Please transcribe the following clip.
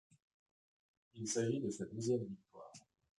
Il s'agit de sa deuxième victoire.